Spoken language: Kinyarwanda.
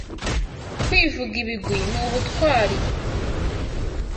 kwivuga ibigwi ni ubutwari